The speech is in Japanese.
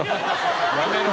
やめろ。